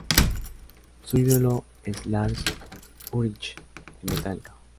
Su ídolo es Lars Ullrich de Metallica.